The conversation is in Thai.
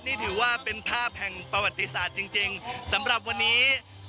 นี่ถือว่าเป็นภาพแห่งประวัติศาสตร์จริงสำหรับวันนี้